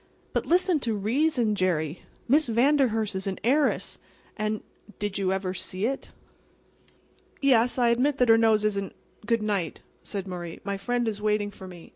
"But, listen to reason, Jerry. Miss Vanderhurst is an heiress, and"— "Did you ever see it?" "Yes, I admit that her nose isn't"— "Good night!" said Murray. "My friend is waiting for me.